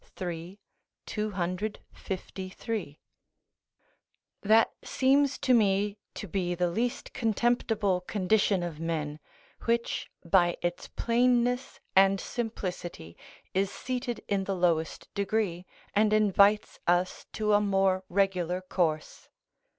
3, 253] That seems to me to be the least contemptible condition of men, which by its plainness and simplicity is seated in the lowest degree, and invites us to a more regular course.